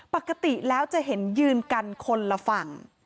ปกติแล้วจะเห็นยืนกันคนละฝั่ง